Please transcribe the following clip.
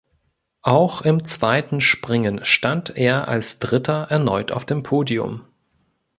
Auch im zweiten Springen stand er als Dritter erneut auf dem Podium.